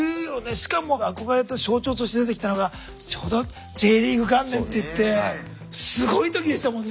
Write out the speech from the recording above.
しかも憧れの象徴として出てきたのがちょうどＪリーグ元年っていってすごい時でしたもんね。